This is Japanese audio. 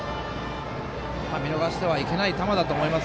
見逃してはいけない球だと思います。